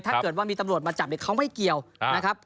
ถ้าเกิดว่ามีตำรวจมาจับเนี่ยเขาไม่เกี่ยวนะครับ